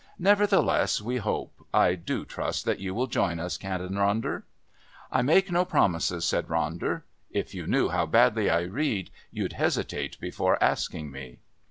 Nevertheless, we hope...I do trust that you will join us, Canon Ronder." "I make no promises," said Ronder. "If you knew how badly I read, you'd hesitate before asking me."